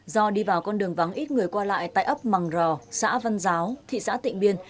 do đi vào con đường vắng ít người qua lại tại ấp mằng rò xã văn giáo thị xã tịnh biên